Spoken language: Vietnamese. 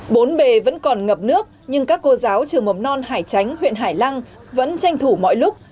bốn bề vẫn còn ngập nước nhưng các cô giáo trường mầm non hải chánh huyện hải lăng vẫn tranh thủ mọi lúc